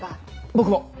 僕も。